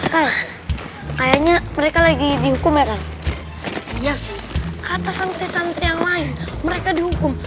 kang kayaknya mereka lagi dihukum ya kang ya sih kata santri santri yang lain mereka dihukum